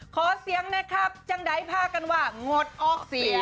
ขอเสียงนะครับจังใดพากันว่างดออกเสียง